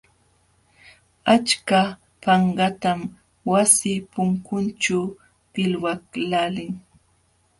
Achka panqatam wasi punkunćhu pilwaqlaalin.